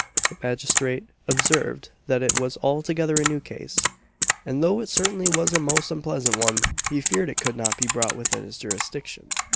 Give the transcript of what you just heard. The magistrate observed that it was altogether a new case; and, though it certainly was a most unpleasant one, he feared it could not be brought within his jurisdiction.